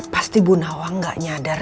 pasti bu nawa gak nyadar